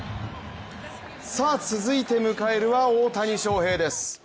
さあ続いて迎えるは大谷翔平です。